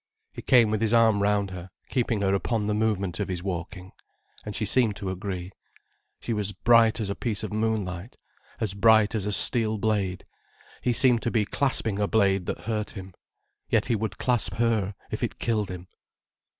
He came with his arm round her, keeping her upon the movement of his walking. And she seemed to agree. She was bright as a piece of moonlight, as bright as a steel blade, he seemed to be clasping a blade that hurt him. Yet he would clasp her, if it killed him.